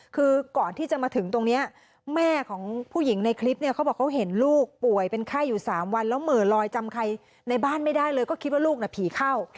คือก่อนที่จะมาถึงตรงนี้แม่ของผู้หญิงในคลิปเนี่ยเขาบอกเขาเห็นลูกป่วยเป็นไข้อยู่๓วันแล้วเหม่อลอยจำใครในบ้านไม่ได้เลยก็คิดว่าลูกน่ะผีเข้า